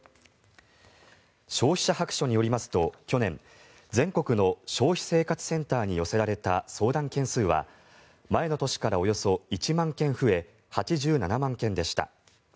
消費者白書によりますと、去年全国の消費生活センターに寄せられた相談件数は前の年からおよそ１万件増え８７万件でした。